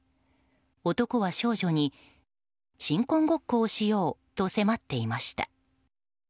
男は少女に新婚ごっこをしようと迫っていました。